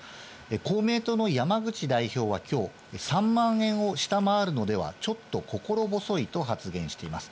公明党の山口代表はきょう、３万円を下回るのでは、ちょっと心細いと発言しています。